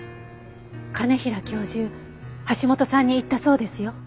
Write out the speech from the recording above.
兼平教授橋本さんに言ったそうですよ。